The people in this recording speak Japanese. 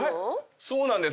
そうなんです。